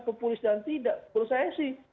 populis dan tidak prosesi